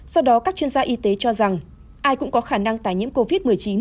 do đó các chuyên gia y tế cho rằng ai cũng có khả năng tài nhiễm covid một mươi chín